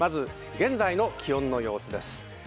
現在の気温の様子です。